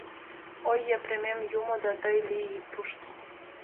— Ой, Епремем, юмо да тый лий, ит пушт!